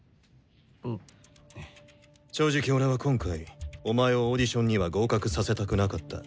正直俺は今回お前をオーディションには合格させたくなかった。